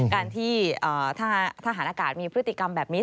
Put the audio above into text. การที่ถ้าทหารอากาศมีพฤติกรรมแบบนี้